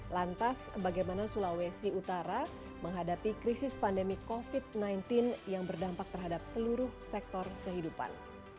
lantas bagaimana sulawesi utara menghadapi krisis pandemi covid sembilan belas yang berdampak terhadap seluruh sektor kehidupan